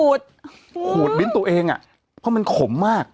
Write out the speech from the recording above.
ขูดลิ้นตัวเองอ่ะเพราะมันขมมาก